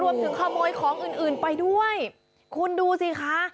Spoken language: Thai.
รวมถึงขโมยของอื่นอื่นไปด้วยคุณดูสิคะ